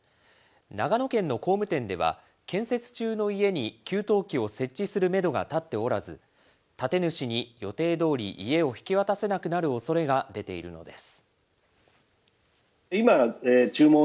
長野県の工務店では、建設中の家に給湯器を設置するメドが立っておらず、建て主に予定どおり家を引き渡せなくなるおそれが出ているのです。